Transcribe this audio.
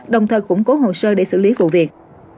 đồng thời củng cố hồ sơ để xử lý vụ việc